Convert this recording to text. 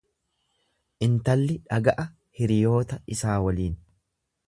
Intalli dhaga'a hiriyoota isaa waliin.